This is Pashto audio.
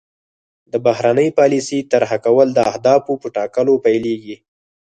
د بهرنۍ پالیسۍ طرح کول د اهدافو په ټاکلو پیلیږي